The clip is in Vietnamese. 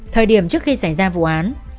thời điểm trước khi xảy ra vụ án